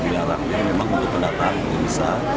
memang untuk pendatang bisa